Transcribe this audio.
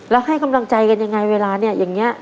แล้วให้กำลังใจกันอย่างไรเวลาอย่างนี้